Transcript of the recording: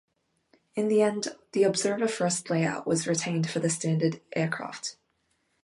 In the end, the observer-first layout was retained for the standard aircraft.